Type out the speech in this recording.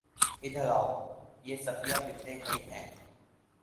ادھر آؤ، یہ صفیہ بنت حیی ہیں